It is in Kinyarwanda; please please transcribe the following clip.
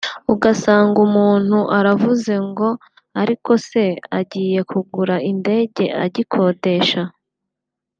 ugasanga umuntu aravuze ngo ‘ariko se agiye kugura indege agikodesha